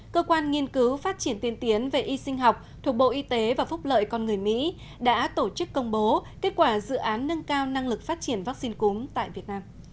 cơ quan nghiên cứu phát triển tiên tiến về y sinh học thuộc bộ y tế và phúc lợi con người mỹ đã tổ chức công bố kết quả dự án nâng cao năng lực phát triển vaccine cúm tại việt nam